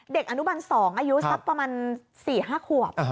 เด็กอนุบัน๒อายุสักประมาณ๔๕ขวบ